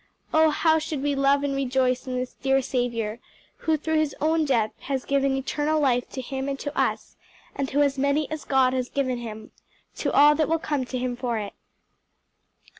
Oh how should we love and rejoice in this dear Saviour, who through his own death has given eternal life to him and to us; and to as many as God has given him to all that will come to him for it."